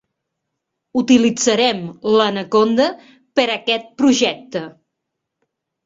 Utilitzarem l'Anaconda per aquest projecte.